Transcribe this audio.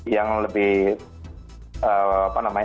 yang lebih apa namanya